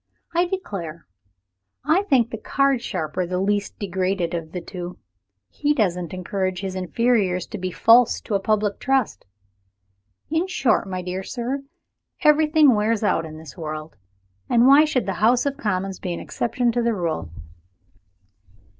I declare I think the card sharper the least degraded person of the two. He doesn't encourage his inferiors to be false to a public trust. In short, my dear sir, everything wears out in this world and why should the House of Commons be an exception to the rule?"